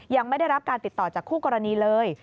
ยังไม่ได้รับการติดต่อจากคู่กรณีเลย